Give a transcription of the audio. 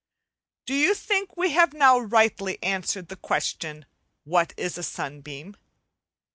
Do you think we have now rightly answered the question What is a sunbeam?